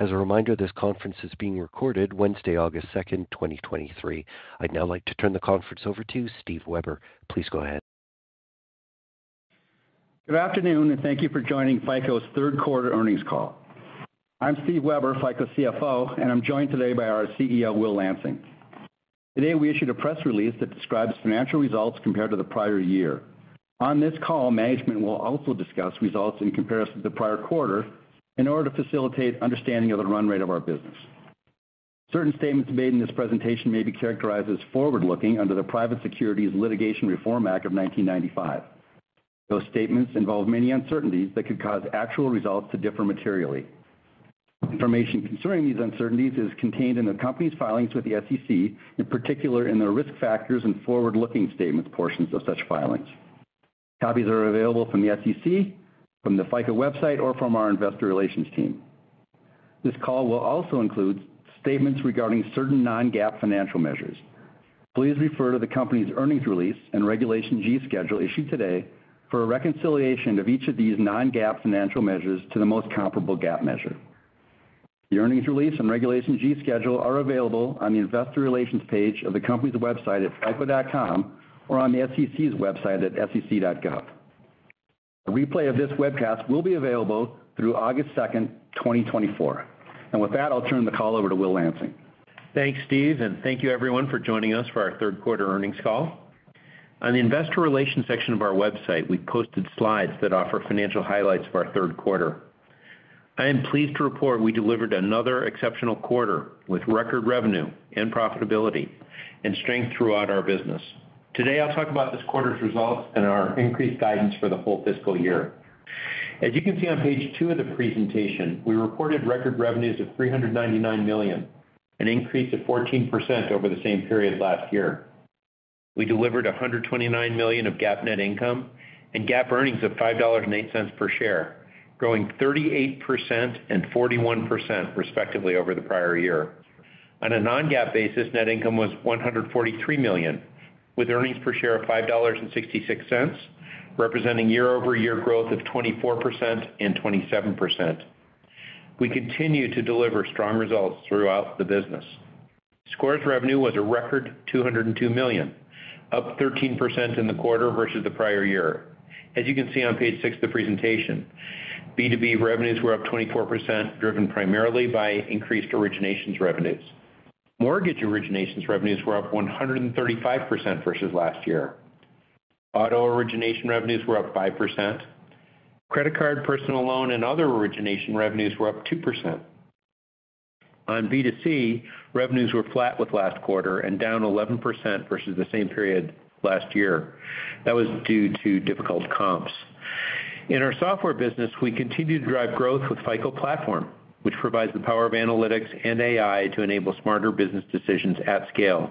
As a reminder, this conference is being recorded Wednesday, August 2, 2023. I'd now like to turn the conference over to Steve Weber. Please go ahead. Good afternoon, and thank you for joining FICO's third quarter earnings call. I'm Steve Weber, FICO's CFO, and I'm joined today by our CEO, Will Lansing. Today, we issued a press release that describes financial results compared to the prior year. On this call, management will also discuss results in comparison to the prior quarter in order to facilitate understanding of the run rate of our business. Certain statements made in this presentation may be characterized as forward-looking under the Private Securities Litigation Reform Act of 1995. Those statements involve many uncertainties that could cause actual results to differ materially. Information concerning these uncertainties is contained in the company's filings with the SEC, in particular, in their risk factors and forward-looking statements portions of such filings. Copies are available from the SEC, from the FICO website, or from our investor relations team. This call will also include statements regarding certain non-GAAP financial measures. Please refer to the company's earnings release and Regulation G schedule issued today for a reconciliation of each of these non-GAAP financial measures to the most comparable GAAP measure. The earnings release and Regulation G schedule are available on the investor relations page of the company's website at fico.com, or on the SEC's website at sec.gov. A replay of this webcast will be available through August 2, 2024. With that, I'll turn the call over to Will Lansing. Thanks, Steve, thank you everyone for joining us for our third quarter earnings call. On the investor relations section of our website, we posted slides that offer financial highlights of our third quarter. I am pleased to report we delivered another exceptional quarter, with record revenue and profitability and strength throughout our business. Today, I'll talk about this quarter's results and our increased guidance for the whole fiscal year. As you can see on page two of the presentation, we reported record revenues of $399 million, an increase of 14% over the same period last year. We delivered $129 million of GAAP net income and GAAP earnings of $5.08 per share, growing 38% and 41%, respectively, over the prior year. On a non-GAAP basis, net income was $143 million, with earnings per share of $5.66, representing year-over-year growth of 24% and 27%. We continue to deliver strong results throughout the business. Scores revenue was a record $202 million, up 13% in the quarter versus the prior year. As you can see on page six of the presentation, B2B revenues were up 24%, driven primarily by increased originations revenues. Mortgage originations revenues were up 135% versus last year. Auto origination revenues were up 5%. Credit card, personal loan, and other origination revenues were up 2%. On B2C, revenues were flat with last quarter and down 11% versus the same period last year. That was due to difficult comps. In our software business, we continue to drive growth with FICO Platform, which provides the power of analytics and AI to enable smarter business decisions at scale.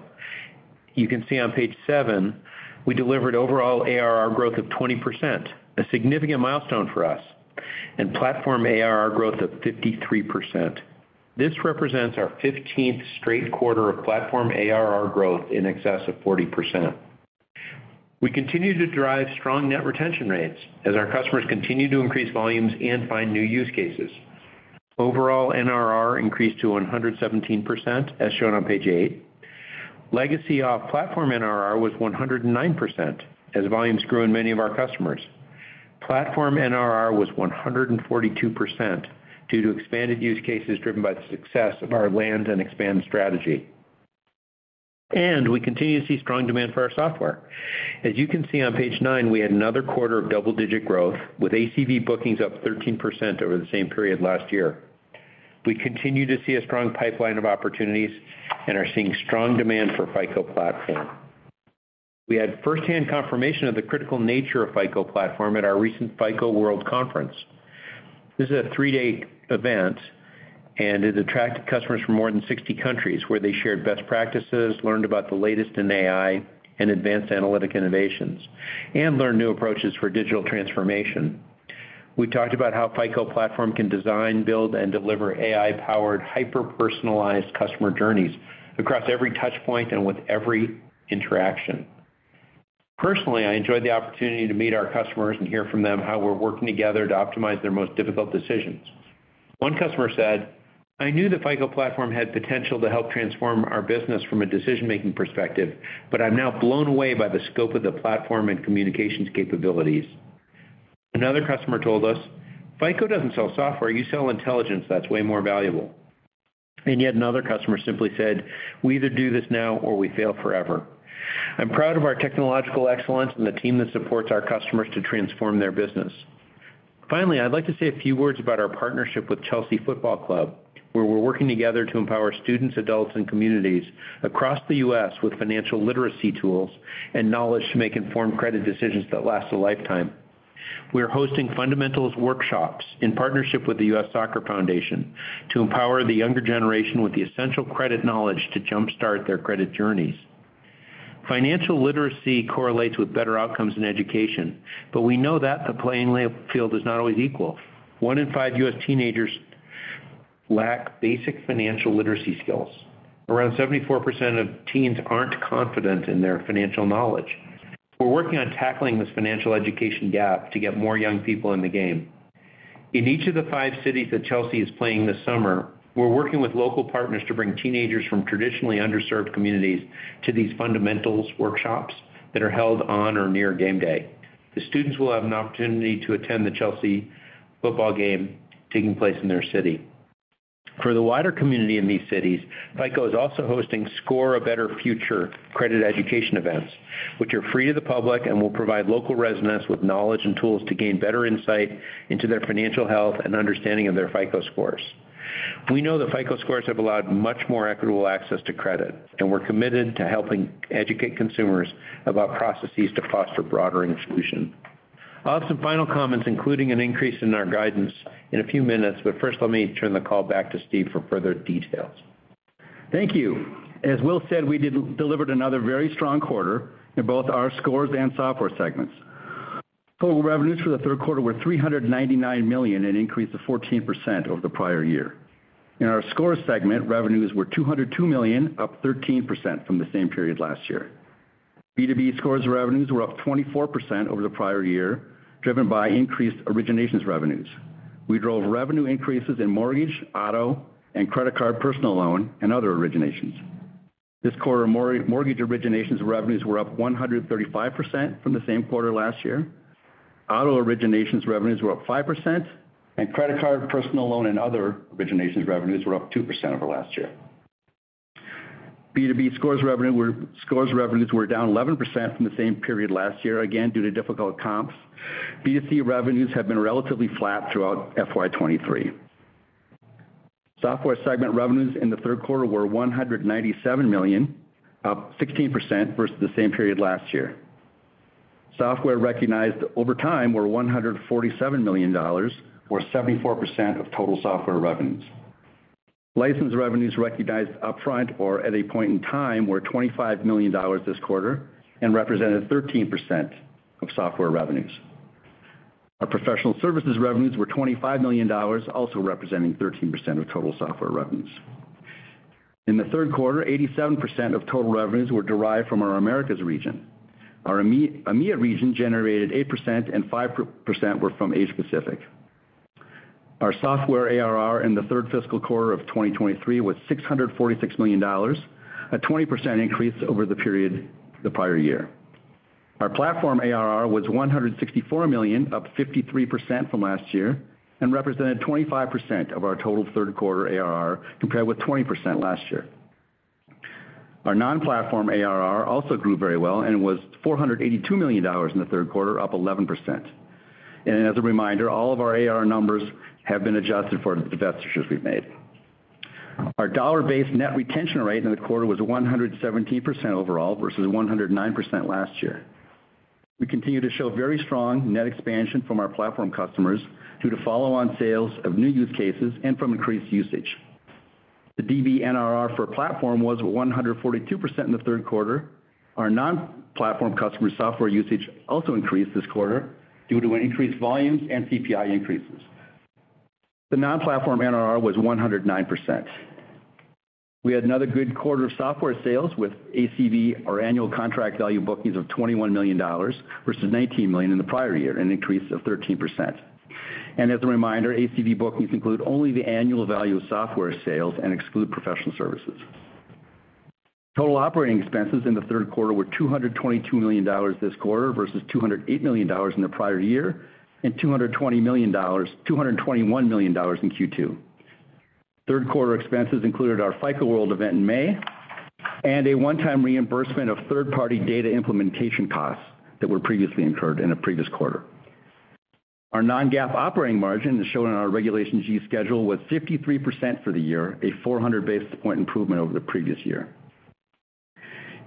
You can see on page seven, we delivered overall ARR growth of 20%, a significant milestone for us, and Platform ARR growth of 53%. This represents our 15th straight quarter of Platform ARR growth in excess of 40%. We continue to drive strong net retention rates as our customers continue to increase volumes and find new use cases. Overall, NRR increased to 117%, as shown on page eight. Legacy off-platform NRR was 109%, as volumes grew in many of our customers. Platform NRR was 142% due to expanded use cases driven by the success of our land and expand strategy. We continue to see strong demand for our software. As you can see on page nine, we had another quarter of double-digit growth, with ACV bookings up 13% over the same period last year. We continue to see a strong pipeline of opportunities and are seeing strong demand for FICO Platform. We had firsthand confirmation of the critical nature of FICO Platform at our recent FICO World Conference. This is a three day event. It attracted customers from more than 60 countries, where they shared best practices, learned about the latest in AI and advanced analytic innovations, and learned new approaches for digital transformation. We talked about how FICO Platform can design, build, and deliver AI-powered, hyper-personalized customer journeys across every touch point and with every interaction. Personally, I enjoyed the opportunity to meet our customers and hear from them how we're working together to optimize their most difficult decisions. One customer said, "I knew the FICO Platform had potential to help transform our business from a decision-making perspective, but I'm now blown away by the scope of the platform and communications capabilities." Another customer told us, "FICO doesn't sell software. You sell intelligence. That's way more valuable." Yet another customer simply said, "We either do this now or we fail forever." I'm proud of our technological excellence and the team that supports our customers to transform their business. Finally, I'd like to say a few words about our partnership with Chelsea Football Club, where we're working together to empower students, adults, and communities across the U.S. with financial literacy tools and knowledge to make informed credit decisions that last a lifetime. We are hosting fundamentals workshops in partnership with the U.S. Soccer Foundation to empower the younger generation with the essential credit knowledge to jumpstart their credit journeys. Financial literacy correlates with better outcomes in education, but we know that the playing level field is not always equal. One in five U.S. teenagers lack basic financial literacy skills. Around 74% of teens aren't confident in their financial knowledge.... We're working on tackling this financial education gap to get more young people in the game. In each of the five cities that Chelsea is playing this summer, we're working with local partners to bring teenagers from traditionally underserved communities to these fundamentals workshops that are held on or near game day. The students will have an opportunity to attend the Chelsea football game taking place in their city. For the wider community in these cities, FICO is also hosting Score A Better Future credit education events, which are free to the public and will provide local residents with knowledge and tools to gain better insight into their financial health and understanding of their FICO Scores. We know that FICO Scores have allowed much more equitable access to credit, and we're committed to helping educate consumers about processes to foster broader inclusion. I'll have some final comments, including an increase in our guidance in a few minutes, but first, let me turn the call back to Steve for further details. Thank you. As Will said, we delivered another very strong quarter in both our scores and software segments. Total revenues for the third quarter were $399 million, an increase of 14% over the prior year. In our scores segment, revenues were $202 million, up 13% from the same period last year. B2B scores revenues were up 24% over the prior year, driven by increased originations revenues. We drove revenue increases in mortgage, auto, and credit card, personal loan, and other originations. This quarter, mortgage originations revenues were up 135% from the same quarter last year. Auto originations revenues were up 5%, and credit card, personal loan, and other originations revenues were up 2% over last year. B2B scores revenues were down 11% from the same period last year, again, due to difficult comps. B2C revenues have been relatively flat throughout FY 2023. Software segment revenues in the third quarter were $197 million, up 16% versus the same period last year. Software recognized over time were $147 million, or 74% of total software revenues. License revenues recognized upfront or at a point in time, were $25 million this quarter and represented 13% of software revenues. Our professional services revenues were $25 million, also representing 13% of total software revenues. In the third quarter, 87% of total revenues were derived from our Americas region. Our EMEA region generated 8%, and 5% were from Asia Pacific. Our software ARR in the third fiscal quarter of 2023 was $646 million, a 20% increase over the period the prior year. Our platform ARR was $164 million, up 53% from last year, and represented 25% of our total third quarter ARR, compared with 20% last year. Our non-platform ARR also grew very well and was $482 million in the third quarter, up 11%. As a reminder, all of our ARR numbers have been adjusted for the divestitures we've made. Our dollar-based net retention rate in the quarter was 117% overall, versus 109% last year. We continue to show very strong net expansion from our platform customers due to follow-on sales of new use cases and from increased usage. The DBNRR for platform was 142% in the third quarter. Our non-platform customer software usage also increased this quarter due to increased volumes and CPI increases. The non-platform NRR was 109%. We had another good quarter of software sales with ACV, our annual contract value, bookings of $21 million, versus $19 million in the prior year, an increase of 13%. As a reminder, ACV bookings include only the annual value of software sales and exclude professional services. Total operating expenses in the third quarter were $222 million this quarter, versus $208 million in the prior year, $221 million in Q2. Third quarter expenses included our FICO World event in May, and a one-time reimbursement of third-party data implementation costs that were previously incurred in a previous quarter. Our non-GAAP operating margin, as shown on our Regulation G schedule, was 53% for the year, a 400 basis point improvement over the previous year.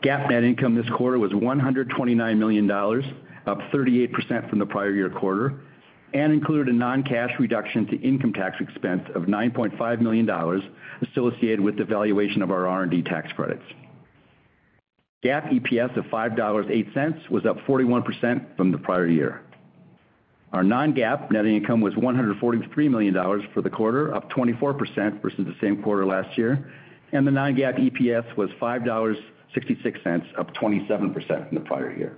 GAAP net income this quarter was $129 million, up 38% from the prior year quarter, and included a non-cash reduction to income tax expense of $9.5 million associated with the valuation of our R&D tax credits. GAAP EPS of $5.08 was up 41% from the prior year. Our non-GAAP net income was $143 million for the quarter, up 24% versus the same quarter last year, and the non-GAAP EPS was $5.66, up 27% from the prior year.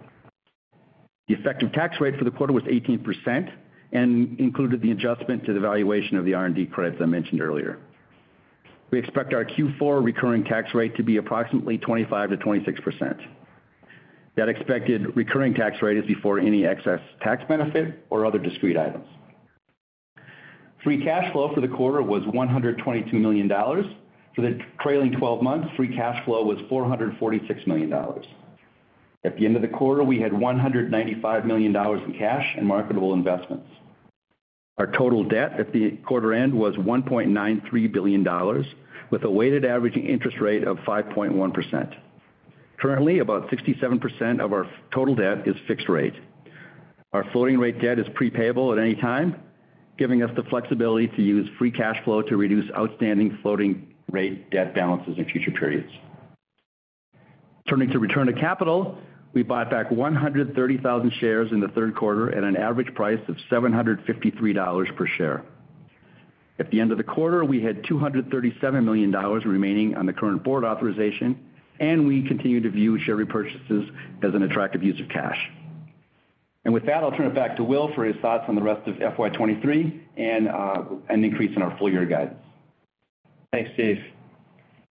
The effective tax rate for the quarter was 18% and included the adjustment to the valuation of the R&D credits I mentioned earlier. We expect our Q4 recurring tax rate to be approximately 25%-26%. That expected recurring tax rate is before any excess tax benefit or other discrete items. Free cash flow for the quarter was $122 million. For the trailing 12 months, free cash flow was $446 million. At the end of the quarter, we had $195 million in cash and marketable investments. Our total debt at the quarter end was $1.93 billion, with a weighted average interest rate of 5.1%. Currently, about 67% of our total debt is fixed rate. Our floating rate debt is pre-payable at any time, giving us the flexibility to use free cash flow to reduce outstanding floating rate debt balances in future periods. Turning to return to capital, we bought back 130,000 shares in the third quarter at an average price of $753 per share. At the end of the quarter, we had $237 million remaining on the current board authorization, and we continue to view share repurchases as an attractive use of cash. With that, I'll turn it back to Will for his thoughts on the rest of FY 2023 and an increase in our full year guidance. Thanks, Steve.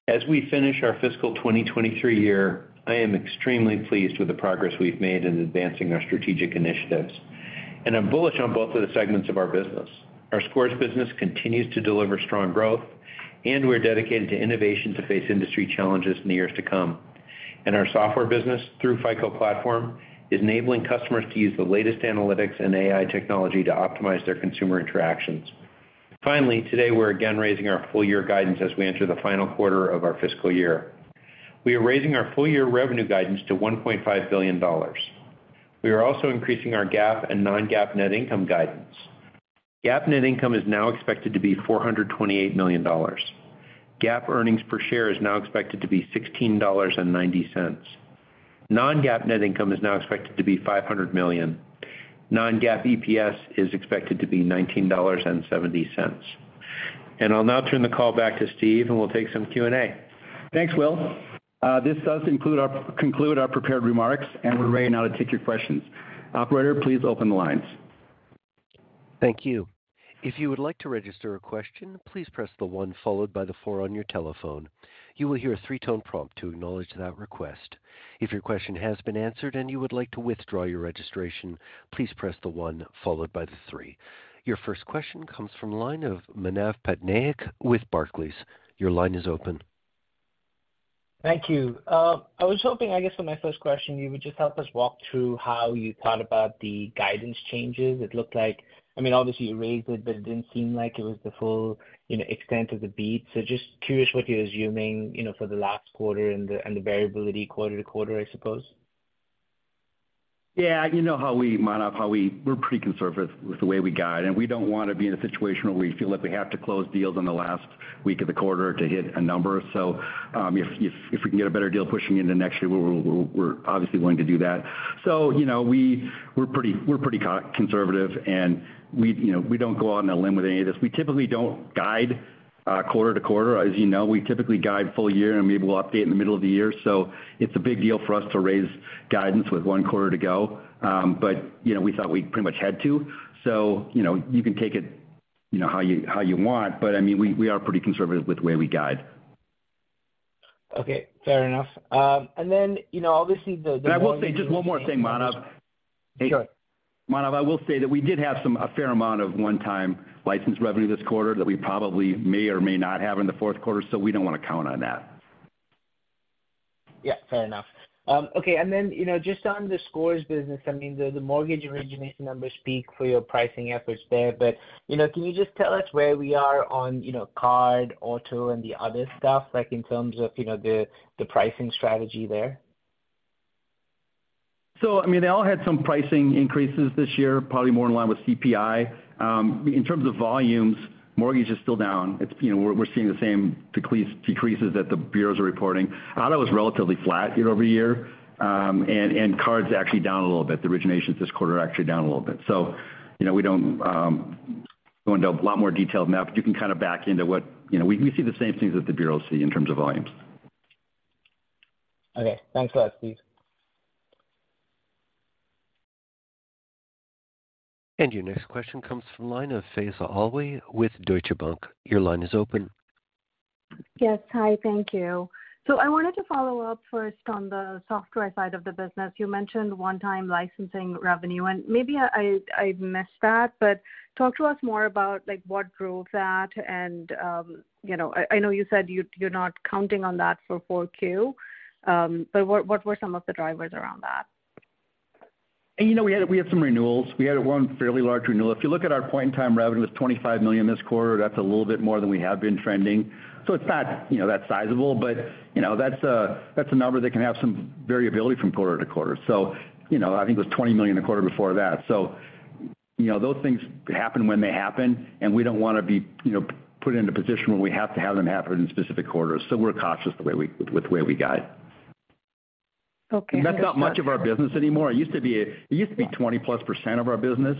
As we finish our fiscal 2023 year, I am extremely pleased with the progress we've made in advancing our strategic initiatives, and I'm bullish on both of the segments of our business. Our Scores business continues to deliver strong growth, and we're dedicated to innovation to face industry challenges in the years to come. Our software business, through FICO Platform, is enabling customers to use the latest analytics and AI technology to optimize their consumer interactions. Finally, today, we're again raising our full year guidance as we enter the final quarter of our fiscal year. We are raising our full year revenue guidance to $1.5 billion. We are also increasing our GAAP and non-GAAP net income guidance. GAAP net income is now expected to be $428 million. GAAP earnings per share is now expected to be $16.90. non-GAAP net income is now expected to be $500 million. non-GAAP EPS is expected to be $19.70. I'll now turn the call back to Steve, and we'll take some Q&A. Thanks, Will. This does conclude our prepared remarks, and we're ready now to take your questions. Operator, please open the lines. Thank you. If you would like to register a question, please press the one followed by the four on your telephone. You will hear a three-tone prompt to acknowledge that request. If your question has been answered and you would like to withdraw your registration, please press the one followed by the three. Your first question comes from line of Manav Patnaik with Barclays. Your line is open. Thank you. I was hoping, I guess, for my first question, you would just help us walk through how you thought about the guidance changes. It looked like, I mean, obviously, you raised it, but it didn't seem like it was the full, you know, extent of the beat. Just curious what you're assuming, you know, for the last quarter and the, and the variability quarter to quarter, I suppose? Yeah, you know how we, Manav, we're pretty conservative with the way we guide, and we don't want to be in a situation where we feel like we have to close deals on the last week of the quarter to hit a number. If we can get a better deal pushing into next year, we're, we're, we're obviously willing to do that. You know, we're pretty, we're pretty conservative, and we, you know, we don't go out on a limb with any of this. We typically don't guide quarter to quarter. As you know, we typically guide full year, and maybe we'll update in the middle of the year. It's a big deal for us to raise guidance with 1 quarter to go. You know, we thought we pretty much had to. you know, you can take it, you know, how you, how you want, but, I mean, we, we are pretty conservative with the way we guide. Okay, fair enough. Then, you know, obviously, the-. I will say just one more thing, Manav. Sure. Manav, I will say that we did have some, a fair amount of one-time license revenue this quarter that we probably may or may not have in the fourth quarter, so we don't want to count on that. Yeah, fair enough. Okay, you know, just on the Scores business, I mean, the, the mortgage origination numbers speak for your pricing efforts there, but, you know, can you just tell us where we are on, you know, card, auto, and the other stuff, like, in terms of, you know, the, the pricing strategy there? I mean, they all had some pricing increases this year, probably more in line with CPI. In terms of volumes, mortgage is still down. It's, you know, we're, we're seeing the same decreases that the bureaus are reporting. Auto is relatively flat year-over-year, and cards actually down a little bit. The originations this quarter are actually down a little bit. You know, we don't go into a lot more detailed map. You can kind of back into what... You know, we, we see the same things that the bureaus see in terms of volumes. Okay, thanks a lot, Steve. Your next question comes from line of Faisal Alwi with Deutsche Bank. Your line is open. Yes. Hi, thank you. I wanted to follow up first on the software side of the business. You mentioned one-time licensing revenue, and maybe I, I, missed that, but talk to us more about like, what drove that, you know, I, I know you said you, you're not counting on that for 4Q, but what, what were some of the drivers around that? You know, we had, we had some renewals. We had one fairly large renewal. If you look at our point in time, revenue was $25 million this quarter. That's a little bit more than we have been trending, so it's not, you know, that sizable. You know, that's a, that's a number that can have some variability from quarter to quarter. You know, I think it was $20 million the quarter before that. You know, those things happen when they happen, and we don't want to be, you know, put into a position where we have to have them happen in specific quarters. We're cautious the way we-- with the way we guide. Okay. That's not much of our business anymore. It used to be, it used to be 20%+ of our business.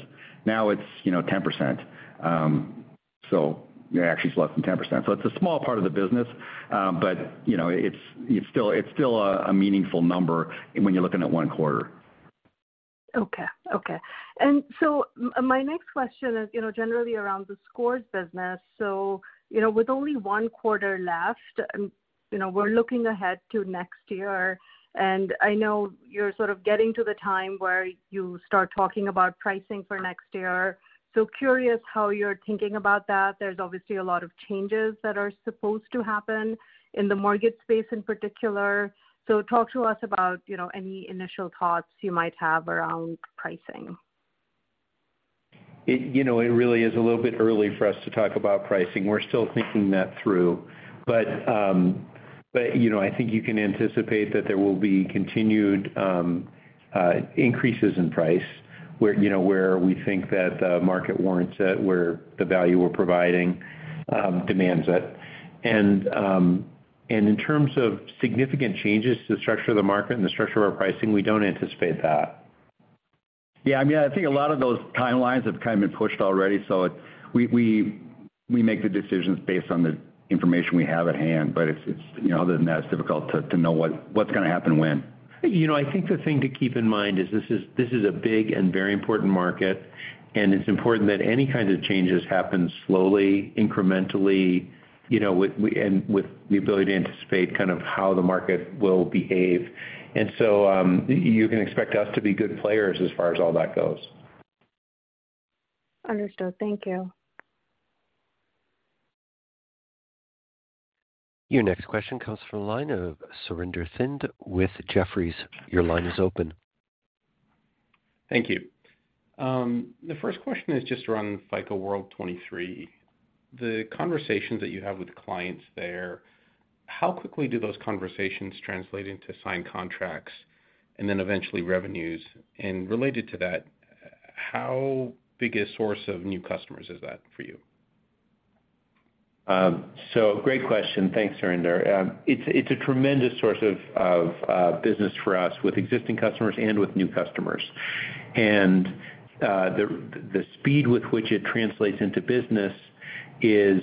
Now it's, you know, 10%. Actually, it's less than 10%. It's a small part of the business, but, you know, it's, it's still, it's still a, a meaningful number when you're looking at one quarter. Okay, okay. My next question is, you know, generally around the Scores business. With only one quarter left, and, you know, we're looking ahead to next year, and I know you're sort of getting to the time where you start talking about pricing for next year. Curious how you're thinking about that. There's obviously a lot of changes that are supposed to happen in the mortgage space in particular. Talk to us about, you know, any initial thoughts you might have around pricing. It, you know, it really is a little bit early for us to talk about pricing. We're still thinking that through. You know, I think you can anticipate that there will be continued increases in price, where, you know, where we think that the market warrants it, where the value we're providing demands it. In terms of significant changes to the structure of the market and the structure of our pricing, we don't anticipate that... Yeah, I mean, I think a lot of those timelines have kind of been pushed already, so it's, we make the decisions based on the information we have at hand. It's, you know, other than that, it's difficult to know what's gonna happen when. You know, I think the thing to keep in mind is this is, this is a big and very important market, and it's important that any kinds of changes happen slowly, incrementally, you know, with and with the ability to anticipate kind of how the market will behave. So, you can expect us to be good players as far as all that goes. Understood. Thank you. Your next question comes from the line of Surinder Thind with Jefferies. Your line is open. Thank you. The first question is just around FICO World 2023. The conversations that you have with clients there, how quickly do those conversations translate into signed contracts and then eventually revenues? And related to that, how big a source of new customers is that for you? Great question. Thanks, Surinder. It's, it's a tremendous source of, of business for us, with existing customers and with new customers. The, the speed with which it translates into business is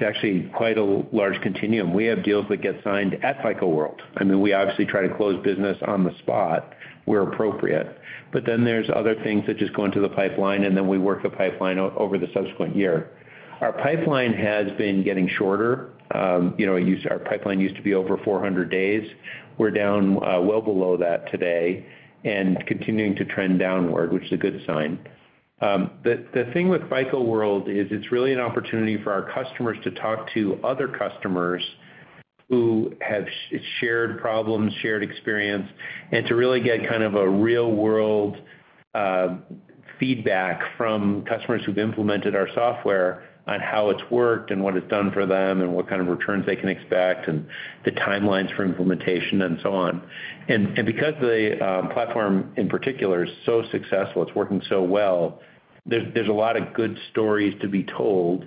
actually quite a large continuum. We have deals that get signed at FICO World. I mean, we obviously try to close business on the spot, where appropriate. Then there's other things that just go into the pipeline, and then we work the pipeline over the subsequent year. Our pipeline has been getting shorter. You know, our pipeline used to be over 400 days. We're down well below that today and continuing to trend downward, which is a good sign. The, the thing with FICO World is it's really an opportunity for our customers to talk to other customers who have shared problems, shared experience, and to really get kind of a real-world feedback from customers who've implemented our software on how it's worked and what it's done for them, and what kind of returns they can expect, and the timelines for implementation, and so on. And, and because the platform, in particular, is so successful, it's working so well, there's, there's a lot of good stories to be told.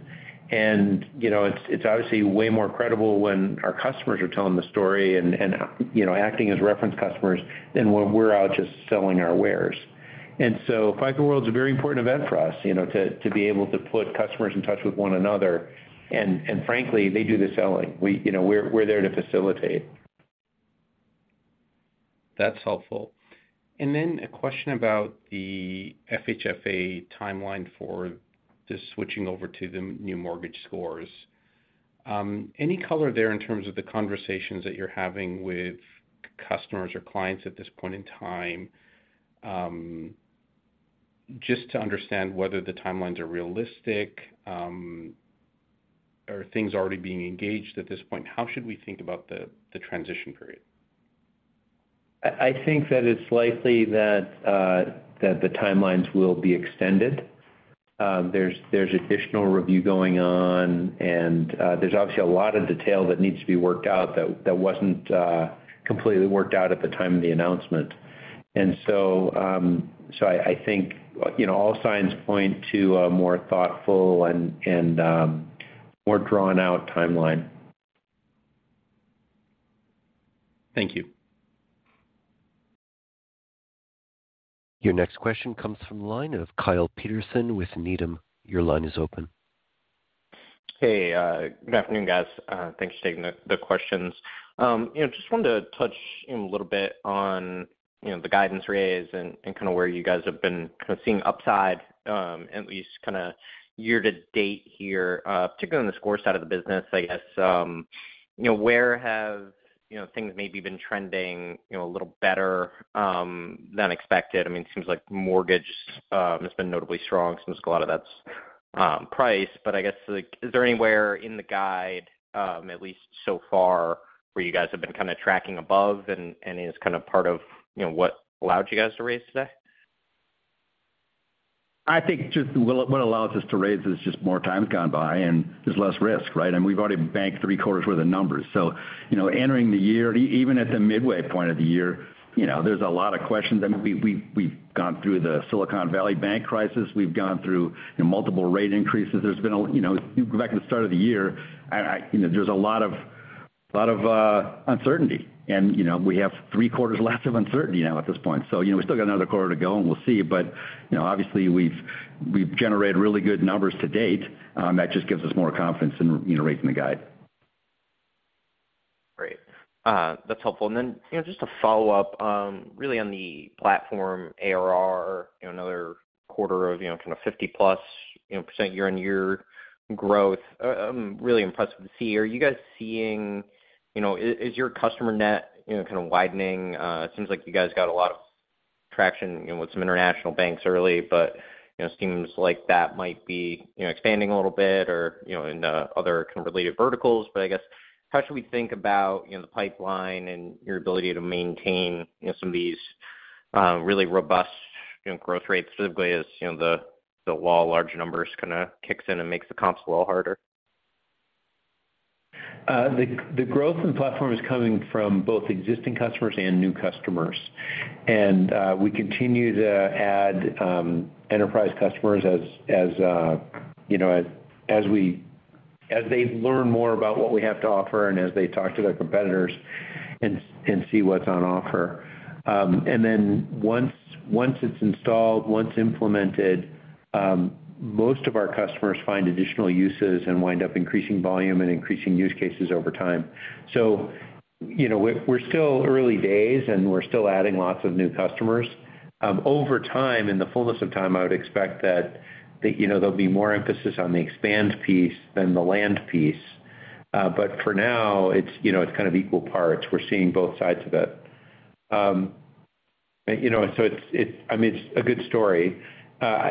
And, you know, it's, it's obviously way more credible when our customers are telling the story and, and, you know, acting as reference customers than when we're out just selling our wares. And so FICO World's a very important event for us, you know, to, to be able to put customers in touch with one another. Frankly, they do the selling. We, you know, we're, we're there to facilitate. That's helpful. A question about the FHFA timeline for the switching over to the new mortgage scores. Any color there in terms of the conversations that you're having with customers or clients at this point in time, just to understand whether the timelines are realistic, are things already being engaged at this point? How should we think about the transition period? I, I think that it's likely that the timelines will be extended. There's, there's additional review going on, and there's obviously a lot of detail that needs to be worked out that, that wasn't completely worked out at the time of the announcement. So I, I think, you know, all signs point to a more thoughtful and, and, more drawn-out timeline. Thank you. Your next question comes from the line of Kyle Peterson with Needham. Your line is open. Hey, good afternoon, guys. Thanks for taking the, the questions. You know, just wanted to touch in a little bit on, you know, the guidance raise and, and kind of where you guys have been kind of seeing upside, at least kind of year to date here, particularly on the score side of the business, I guess. You know, where have, you know, things maybe been trending, you know, a little better than expected? I mean, it seems like mortgage has been notably strong, seems like a lot of that's price. But I guess, like, is there anywhere in the guide, at least so far, where you guys have been kind of tracking above and, and is kind of part of, you know, what allowed you guys to raise today? I think just what, what allows us to raise is just more time has gone by and there's less risk, right? We've already banked three quarters worth of numbers. You know, entering the year, even at the midway point of the year, you know, there's a lot of questions. I mean, we've, we've, we've gone through the Silicon Valley Bank crisis. We've gone through, you know, multiple rate increases. There's been a, you know, you go back to the start of the year, I, you know, there's a lot of, lot of uncertainty. You know, we have three quarters less of uncertainty now at this point. You know, we still got another quarter to go, and we'll see. You know, obviously, we've, we've generated really good numbers to date, that just gives us more confidence in, you know, raising the guide. Great. That's helpful. And then, you know, just to follow up, really on the Platform, ARR, you know, another quarter of, you know, kind of 50+% year-on-year growth. Really impressive to see. Are you guys seeing... You know, is, is your customer net, you know, kind of widening? It seems like you guys got a lot of traction, you know, with some international banks early, but, you know, it seems like that might be, you know, expanding a little bit or, you know, in the other kind of related verticals. But I guess, how should we think about, you know, the pipeline and your ability to maintain, you know, some of these, really robust, you know, growth rates, specifically as, you know, the, the law of large numbers kind of kicks in and makes the comps a little harder? The growth in the platform is coming from both existing customers and new customers. We continue to add enterprise customers as, as you know, as they learn more about what we have to offer and as they talk to their competitors and, and see what's on offer. Then once, once it's installed, once implemented, most of our customers find additional uses and wind up increasing volume and increasing use cases over time. You know, we're still early days, and we're still adding lots of new customers. Over time, in the fullness of time, I would expect that, that, you know, there'll be more emphasis on the expand piece than the land piece. But for now, it's, you know, it's kind of equal parts. We're seeing both sides of it. You know, it's, I mean, it's a good story.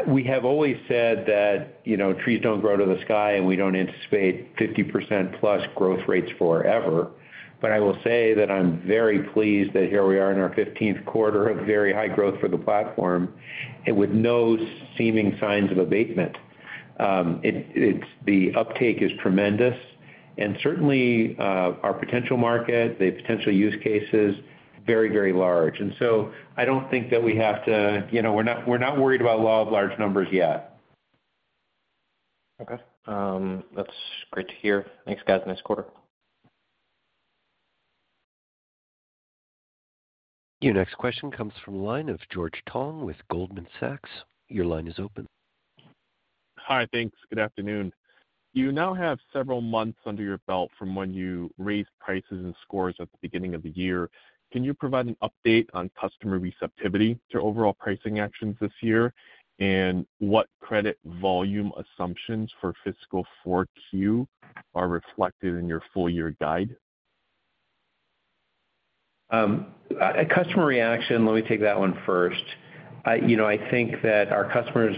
We have always said that, you know, trees don't grow to the sky, and we don't anticipate 50%+ growth rates forever. I will say that I'm very pleased that here we are in our 15th quarter of very high growth for the platform, and with no seeming signs of abatement. It's, the uptake is tremendous, and certainly, our potential market, the potential use case is very, very large. I don't think that we have to, you know, we're not, we're not worried about law of large numbers yet. Okay, that's great to hear. Thanks, guys. Nice quarter. Your next question comes from the line of George Tong with Goldman Sachs. Your line is open. Hi, thanks. Good afternoon. You now have several months under your belt from when you raised prices and scores at the beginning of the year. Can you provide an update on customer receptivity to overall pricing actions this year, and what credit volume assumptions for fiscal 4Q are reflected in your full year guide? Customer reaction, let me take that one first. I, you know, I think that our customers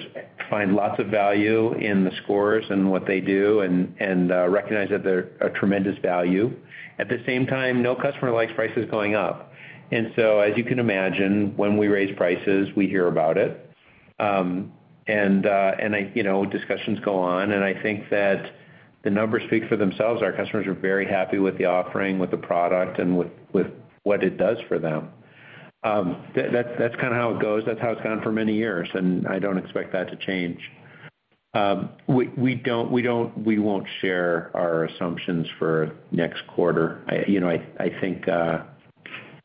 find lots of value in the scores and what they do, and, and recognize that they're a tremendous value. At the same time, no customer likes prices going up. So, as you can imagine, when we raise prices, we hear about it. And I, you know, discussions go on, and I think that the numbers speak for themselves. Our customers are very happy with the offering, with the product, and with, with what it does for them. That, that's kind of how it goes. That's how it's gone for many years, and I don't expect that to change. We, we don't, we won't share our assumptions for next quarter. I, you know, I, I think.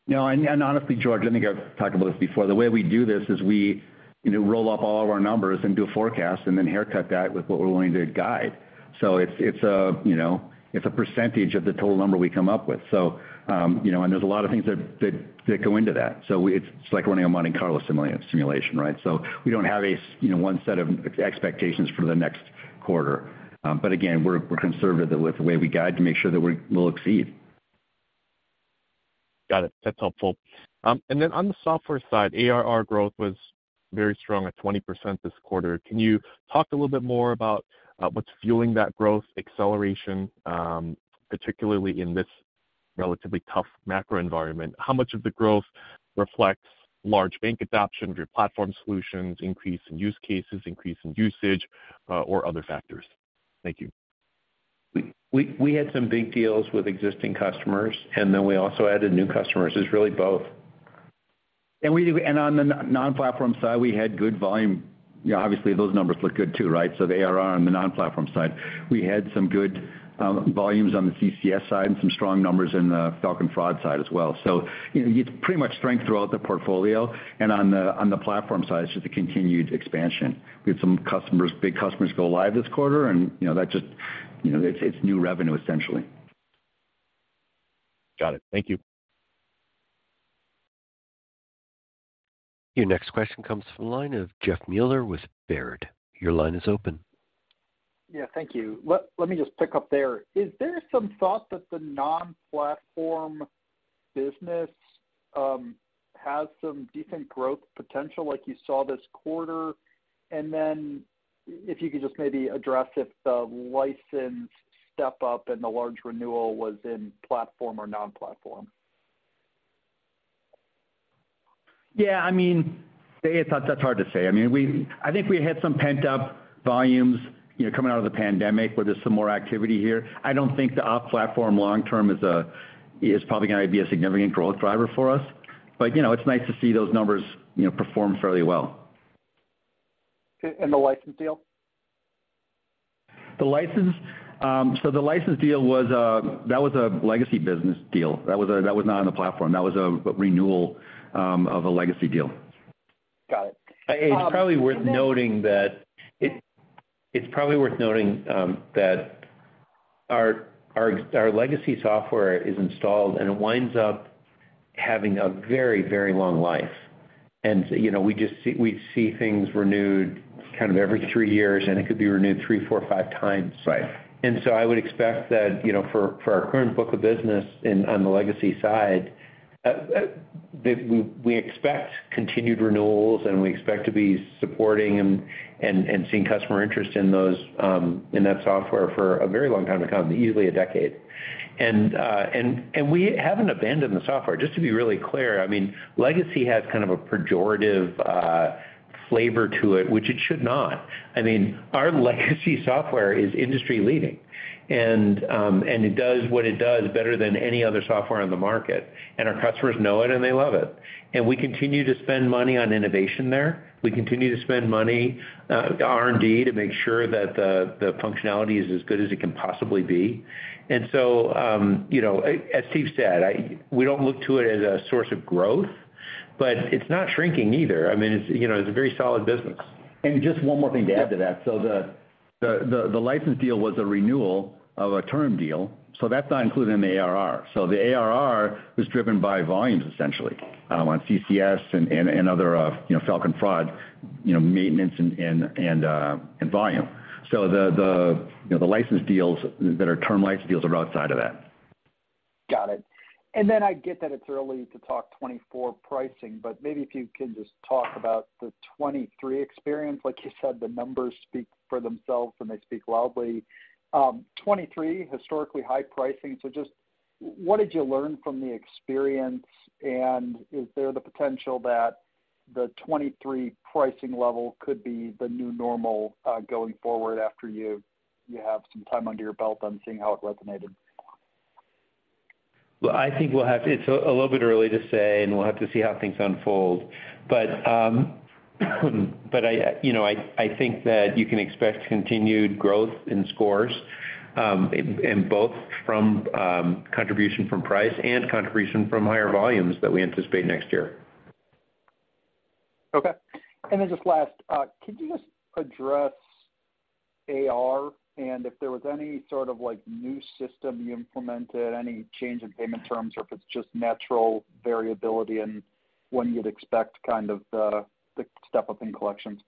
No, honestly, George, I think I've talked about this before. The way we do this is we, you know, roll up all of our numbers and do a forecast and then haircut that with what we're willing to guide. It's, it's a, you know, it's a percentage of the total number we come up with. You know, there's a lot of things that, that, that go into that. It's like running a Monte Carlo simulation, right? We don't have a, you know, one set of expectations for the next quarter. But again, we're, we're conservative with the way we guide to make sure that we'll exceed. Got it. That's helpful. Then on the software side, ARR growth was very strong at 20% this quarter. Can you talk a little bit more about what's fueling that growth acceleration, particularly in this relatively tough macro environment? How much of the growth reflects large bank adoption of your platform solutions, increase in use cases, increase in usage, or other factors? Thank you. We had some big deals with existing customers, and then we also added new customers. It's really both. We, and on the non-platform side, we had good volume. Obviously, those numbers look good too, right? The ARR on the non-platform side, we had some good volumes on the CCS side and some strong numbers in the Falcon Fraud side as well. You know, it's pretty much strength throughout the portfolio, and on the, on the platform side, it's just a continued expansion. We had some customers, big customers, go live this quarter, and, you know, that just, you know, it's, it's new revenue, essentially. Got it. Thank you. Your next question comes from the line of Jeff Mueller with Baird. Your line is open. Yeah, thank you. Let me just pick up there. Is there some thought that the non-platform business has some decent growth potential, like you saw this quarter? Then if you could just maybe address if the licensed step up and the large renewal was in platform or non-platform. Yeah, I mean, it's not. That's hard to say. I mean, I think we had some pent-up volumes, you know, coming out of the pandemic, where there's some more activity here. I don't think the off-platform long term is probably gonna be a significant growth driver for us. You know, it's nice to see those numbers, you know, perform fairly well. The license deal? The license, so the license deal was, that was a legacy business deal. That was not on the platform. That was a renewal of a legacy deal. Got it. It's probably worth noting that our, our, our legacy software is installed, and it winds up having a very, very long life. You know, we see things renewed kind of every three years, and it could be renewed 3, 4, or 5x. Right. I would expect that, you know, for, for our current book of business in-- on the legacy side, that we expect continued renewals, and we expect to be supporting and, and, and seeing customer interest in those in that software for a very long time to come, easily a decade. We haven't abandoned the software. Just to be really clear, I mean, legacy has kind of a pejorative flavor to it, which it should not. I mean, our legacy software is industry-leading, and it does what it does better than any other software on the market, and our customers know it, and they love it. We continue to spend money on innovation there. We continue to spend money, R&D, to make sure that the, the functionality is as good as it can possibly be. You know, as Steve said, we don't look to it as a source of growth, but it's not shrinking either. I mean, it's, you know, it's a very solid business. Just one more thing to add to that. The, the, the license deal was a renewal of a term deal, that's not included in the ARR. The ARR is driven by volumes, essentially, on CCS and, and other, you know, Falcon Fraud, you know, maintenance and, and, and volume. The, the, you know, the license deals that are term license deals are outside of that. Got it. Then I get that it's early to talk 2024 pricing, but maybe if you can just talk about the 2023 experience. Like you said, the numbers speak for themselves, and they speak loudly. 2023, historically high pricing, so just what did you learn from the experience, and is there the potential that the 2023 pricing level could be the new normal, going forward after you, you have some time under your belt on seeing how it resonated? Well, I think it's a little bit early to say, and we'll have to see how things unfold. But I, you know, I, I think that you can expect continued growth in scores, and both from contribution from price and contribution from higher volumes that we anticipate next year. Okay. Then just last, could you just address ARR, and if there was any sort of, like, new system you implemented, any change in payment terms, or if it's just natural variability, and when you'd expect kind of the, the step-up in collections?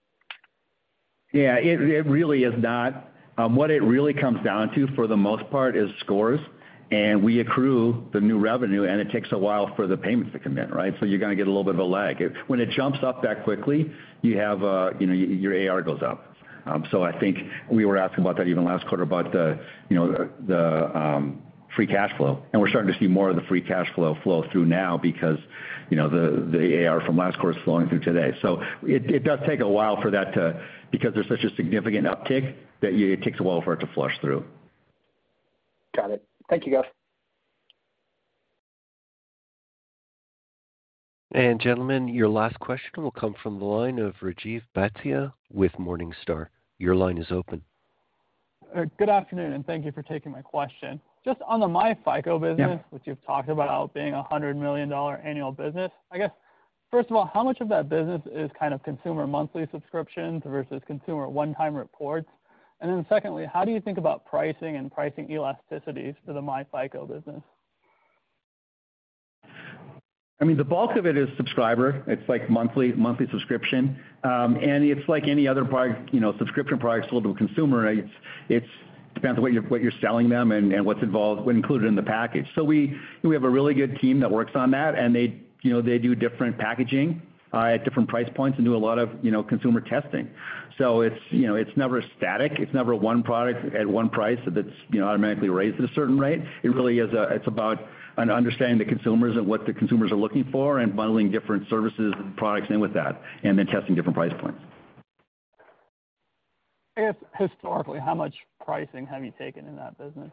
Yeah. It, it really is not... what it really comes down to, for the most part, is scores. We accrue the new revenue, and it takes a while for the payments to come in, right? You're gonna get a little bit of a lag. When it jumps up that quickly, you have, you know, your ARR goes up. I think we were asking about that even last quarter about the, you know, the, free cash flow. We're starting to see more of the free cash flow flow through now because, you know, the, the ARR from last quarter is flowing through today. It, it does take a while for that to... Because there's such a significant uptick, that it takes a while for it to flush through. Got it. Thank you, guys. Gentlemen, your last question will come from the line of Rajiv Bhatia with Morningstar. Your line is open. Good afternoon, and thank you for taking my question. Just on the myFICO business- Yeah. -which you've talked about being a $100 million annual business, I guess, first of all, how much of that business is kind of consumer monthly subscriptions versus consumer one-time reports? Then secondly, how do you think about pricing and pricing elasticities for the myFICO business? I mean, the bulk of it is subscriber. It's like monthly, monthly subscription. It's like any other product, you know, subscription product sold to a consumer, it's, it's depends on what you're, what you're selling them and, and what's involved, what's included in the package. We, we have a really good team that works on that, and they, you know, they do different packaging at different price points and do a lot of, you know, consumer testing. It's, you know, it's never static. It's never one product at one price that's, you know, automatically raised at a certain rate. It really is it's about an understanding the consumers and what the consumers are looking for and bundling different services and products in with that, and then testing different price points. I guess, historically, how much pricing have you taken in that business?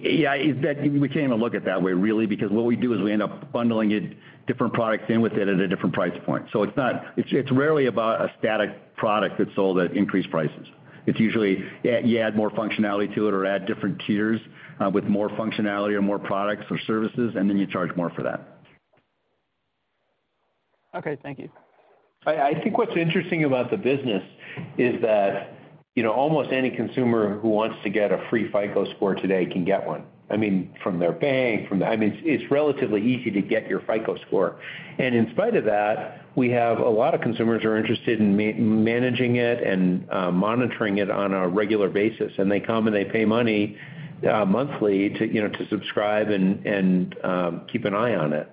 Yeah, is that we can't even look at it that way, really, because what we do is we end up bundling it, different products in with it at a different price point. It's, it's rarely about a static product that's sold at increased prices. It's usually, you add more functionality to it or add different tiers, with more functionality or more products or services, and then you charge more for that. Okay, thank you. I, I think what's interesting about the business is that, you know, almost any consumer who wants to get a free FICO Score today can get one. I mean, from their bank, from the... I mean, it's relatively easy to get your FICO Score. And in spite of that, we have a lot of consumers who are interested in managing it and monitoring it on a regular basis, and they come, and they pay money monthly to, you know, to subscribe and, and keep an eye on it.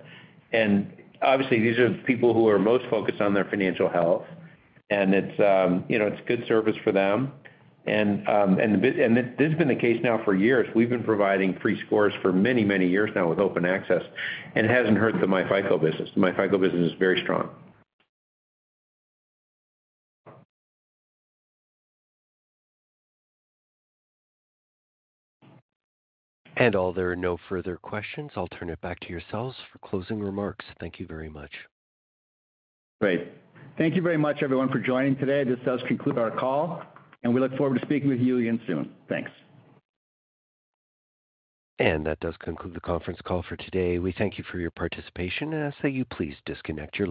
And obviously, these are the people who are most focused on their financial health, and it's, you know, it's a good service for them. And this, this has been the case now for years. We've been providing free scores for many, many years now with open access, and it hasn't hurt the myFICO business. The myFICO business is very strong. All, there are no further questions. I'll turn it back to yourselves for closing remarks. Thank you very much. Great. Thank you very much, everyone, for joining today. This does conclude our call, and we look forward to speaking with you again soon. Thanks. That does conclude the conference call for today. We thank you for your participation and ask that you please disconnect your lines.